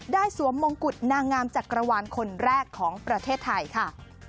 สวมมงกุฎนางงามจักรวาลคนแรกของประเทศไทยค่ะ